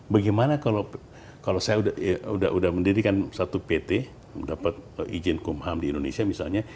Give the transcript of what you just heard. bagaimana kalau saya sudah mendirikan satu pt dapat izin kumham di indonesia misalnya